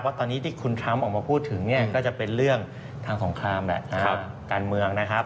เพราะตอนนี้ที่คุณทรัมป์ออกมาพูดถึงก็จะเป็นเรื่องทางสงครามการเมืองนะครับ